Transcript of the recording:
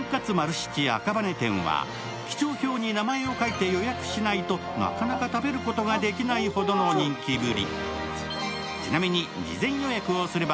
七赤羽店は記帳表に名前を書いて予約しないとなかなか食べることができないほどの人気ぶり。